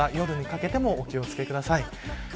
夕方、夜にかけてもお気を付けください。